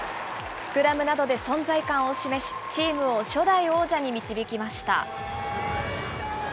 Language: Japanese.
スクラムなどで存在感を示し、チームを初代王者に導きました。